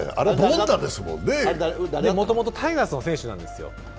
もともとタイガースの選手なんですよ。